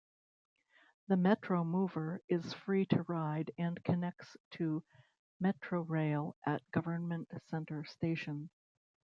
The Metromover is free to ride and connects to Metrorail at Government Center station.